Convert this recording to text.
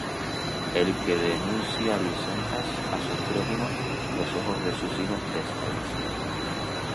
El que denuncia lisonjas á sus prójimos, Los ojos de sus hijos desfallezcan.